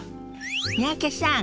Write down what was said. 三宅さん